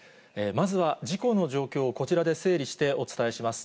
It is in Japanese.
まずは事故の状況をこちらで整理してお伝えします。